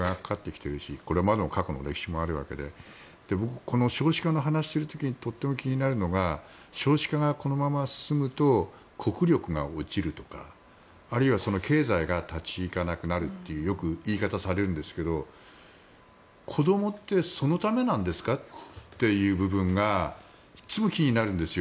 これまでの過去の歴史もあるわけで少子化の話をする時にとても気になるのが少子化がこのまま進むとあるいは経済が立ち行かなくなるという言い方するんですが子供ってそのためなんですかっていう部分がいつも気になるんですよ。